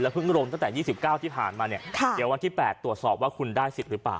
เพิ่งลงตั้งแต่๒๙ที่ผ่านมาเนี่ยเดี๋ยววันที่๘ตรวจสอบว่าคุณได้สิทธิ์หรือเปล่า